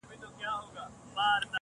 لنډۍ په غزل کي، اوومه برخه،